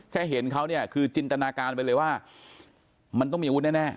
เห็นเขาเนี่ยคือจินตนาการไปเลยว่ามันต้องมีอาวุธแน่